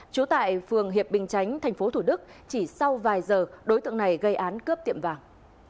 trú tại phường hiệp bình chánh tp thủ đức chỉ sau vài giờ đối tượng này gây án cướp tiệm vàng